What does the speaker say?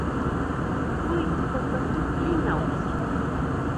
Huytu papa tukrunaw